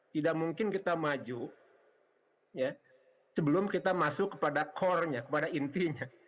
tidak mungkin kita maju sebelum kita masuk kepada core nya kepada intinya